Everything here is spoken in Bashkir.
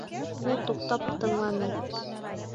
Ул туҡтап тыңланы.